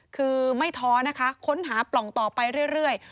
คือไม่ท้อนะคะค้นหาปล่องต่อไปเรื่อย